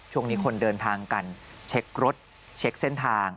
ช่วงนี้คนเดินทางกันเช็ครถเช็คเส้นทาง